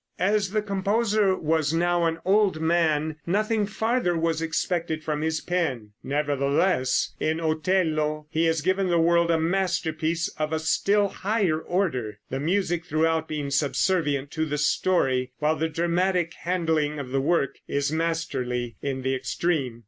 As the composer was now an old man nothing farther was expected from his pen. Nevertheless, in "Otello," he has given the world a masterpiece of a still higher order, the music throughout being subservient to the story, while the dramatic handling of the work is masterly in the extreme.